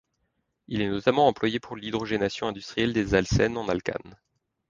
Il est notamment employé pour l'hydrogénation industrielle des alcènes en alcanes.